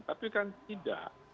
tapi kan tidak